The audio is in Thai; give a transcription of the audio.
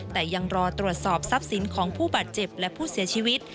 แต่ยังรอตรวจสอบทรัพย์สินของผู้บาดเจ็บและผู้เสียชีวิต